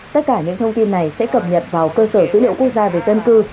tất cả những thông tin này sẽ cập nhật vào cơ sở dữ liệu quốc gia về dân cư